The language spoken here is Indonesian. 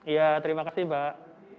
ya terima kasih mbak